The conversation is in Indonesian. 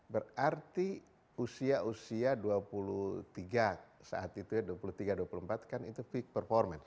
berarti usia usia dua puluh tiga saat itu ya dua puluh tiga dua puluh empat kan itu peak performance